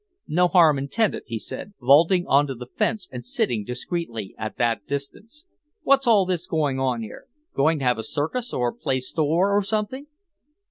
"No harm intended," he said, vaulting on to the fence and sitting discreetly at that distance. "What's all this going on here? Going to have a circus or play store or something?"